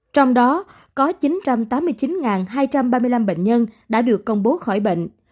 trong đó có chín trăm tám mươi chín hai trăm ba mươi năm bệnh nhân đã được công bố khỏi bệnh